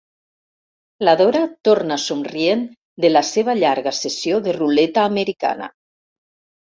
La Dora torna somrient de la seva llarga sessió de ruleta americana.